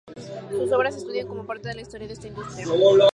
Sus obras se estudian como parte de la historia de esta industria.